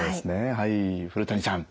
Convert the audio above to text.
はい古谷さん。